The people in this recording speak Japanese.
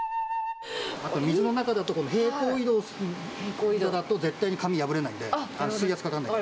水の中だと平行移動だと、絶対に紙破れないんで、水圧かからないので。